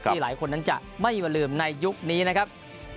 หลายคนนั้นจะไม่มาลืมในยุคนี้นะครับ